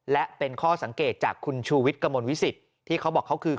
และเป็นข้อสังเกตจากคุณชูวิทย์กระมวลวิสิตที่เขาบอกเขาคือ